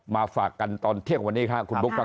มาฝากกันตอนเที่ยงตอนนี้ค่ะ